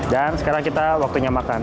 dan sekarang kita waktunya makan